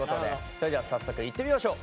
それでは早速いってみましょう！